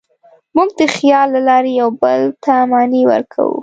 موږ د خیال له لارې یوه بل ته معنی ورکوو.